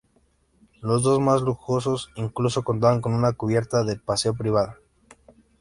Los dos más lujosos incluso contaban con una cubierta de paseo privada.